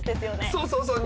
そうそう！